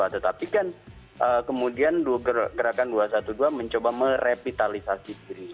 tetapi kan kemudian gerakan dua ratus dua belas mencoba merepitalisasi diri